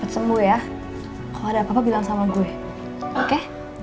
sembuh ya kalau ada apa apa bilang sama gue oke